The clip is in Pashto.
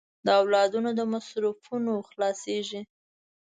د اولادونو د مصرفونو خلاصېږي.